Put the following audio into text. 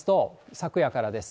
昨夜からです。